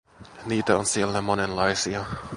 Niitä on siellä monenlaisia.